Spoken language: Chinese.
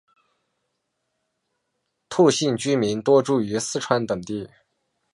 兔姓居民多住于四川等地。